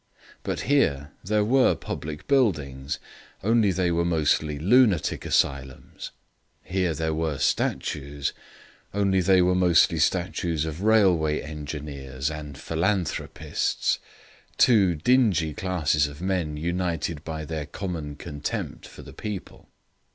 But here there were public buildings; only they were mostly lunatic asylums. Here there were statues; only they were mostly statues of railway engineers and philanthropists two dingy classes of men united by their common contempt for the people.